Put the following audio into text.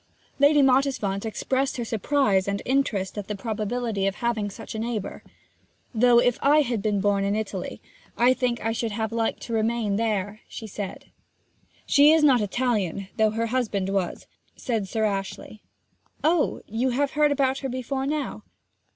Lady Mottisfont expressed her surprise and interest at the probability of having such a neighbour. 'Though, if I had been born in Italy, I think I should have liked to remain there,' she said. 'She is not Italian, though her husband was,' said Sir Ashley. 'Oh, you have heard about her before now?'